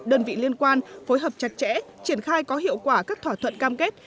đơn vị liên quan phối hợp chặt chẽ triển khai có hiệu quả các thỏa thuận cam kết